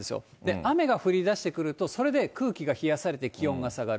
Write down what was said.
雨が降りだしてくるとそれで空気が冷やされて、気温が下がる。